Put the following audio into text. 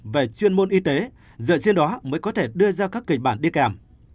về chuyên môn y tế dựa trên đó mới có thể đưa ra các kịch bản đi kèm